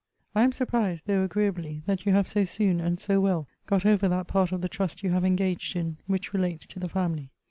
I am surprised, though agreeably, that you have so soon, and so well, got over that part of the trust you have engaged in, which relates to the family.